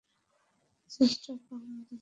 ছোট্ট পাম গাছ।